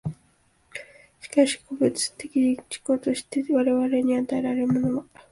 しかし個物的自己としての我々に与えられるものは、